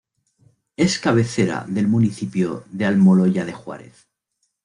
Es cabecera del municipio de Almoloya de Juárez.